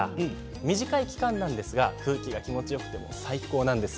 短い期間なんですが空気が気持ちよくて最高なんです。